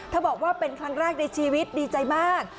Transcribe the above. บอกว่าเป็นครั้งแรกในชีวิตดีใจมาก